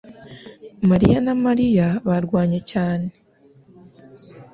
mariya na Mariya barwanye cyane